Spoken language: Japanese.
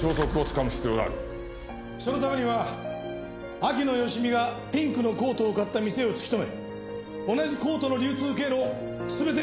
そのためには秋野芳美がピンクのコートを買った店を突き止め同じコートの流通経路を全て洗い出せ。